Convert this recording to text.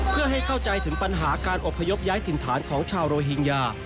เพื่อให้เข้าใจถึงปัญหาการอบพยพย้ายถิ่นฐานของชาวโรฮิงญา